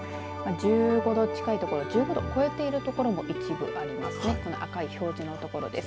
１５度近い所、１５度を超えている所もあります。